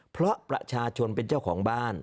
เพราะประชาชนเป็นเจ้าของบ้าน